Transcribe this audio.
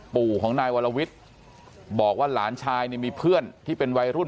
ปู่ของนายวรวิทย์บอกว่าหลานชายเนี่ยมีเพื่อนที่เป็นวัยรุ่น